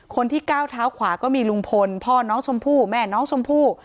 คนที่ก้าวเท้าขวาก็มีลุงพลพ่อน้องชมพู่แม่น้องชมพู่